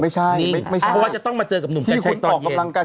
เพราะว่าจะต้องมาเจอกับหนุ่มกันใช้ตอนเย็น